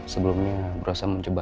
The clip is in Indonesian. sebelumnya berusaha mencoba